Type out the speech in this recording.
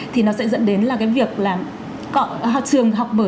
thì nó sẽ dẫn đến là cái việc là trường học mở